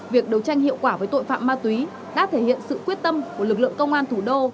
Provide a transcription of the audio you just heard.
việc đấu tranh hiệu quả với tội phạm ma túy đã thể hiện sự quyết tâm của lực lượng công an thủ đô